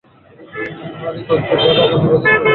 আমিও তদবির করব, যাতে আগামী বাজেটে বাড়তি বরাদ্দ দেওয়া সম্ভব হয়।